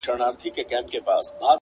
عاقبت غلیم د بل- دښمن د ځان دی- -